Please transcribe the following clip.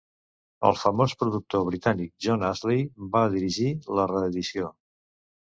El famós productor britànic Jon Astley va dirigir el reedició.